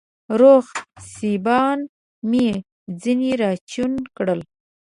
روغ سېبان مې ځيني راچڼ کړه